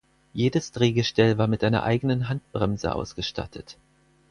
Jedes Drehgestell war mit einer eigenen Handbremse ausgestattet.